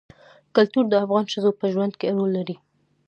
کلتور د افغان ښځو په ژوند کې رول لري.